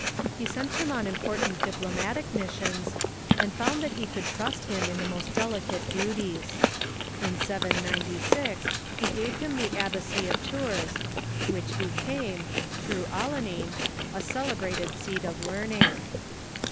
He sent him on important diplomatic missions, and found that he could trust him in the most delicate duties. In 796 he gave him the Abbacy of Tours, which became, through Alcuin, a celebrated seat of learning.